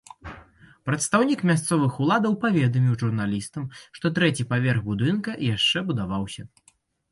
Прадстаўнік мясцовых уладаў паведаміў журналістам, што трэці паверх будынка яшчэ будаваўся.